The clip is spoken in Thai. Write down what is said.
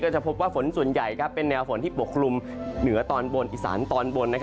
จะพบว่าฝนส่วนใหญ่เป็นแนวฝนที่ปกคลุมเหนือตอนบนอีสานตอนบน